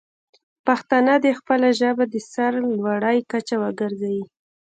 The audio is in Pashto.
پښتانه دې خپله ژبه د سر لوړۍ کچه وګرځوي.